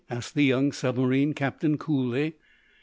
asked the young submarine captain, coolly.